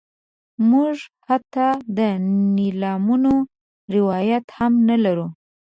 موږ حتی د نیلامونو روایت هم نه لرو.